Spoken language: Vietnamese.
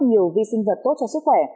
nhiều vi sinh vật tốt cho sức khỏe